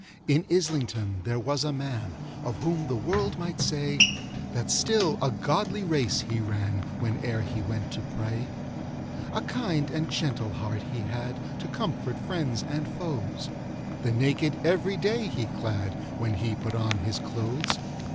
In Islington there was a man, Of whom the world might say, That still a godly race he ran, Whene'er he went to pray. A kind and gentle heart he had, To comfort friends and foes; The naked every day he clad, When he put on his clothes.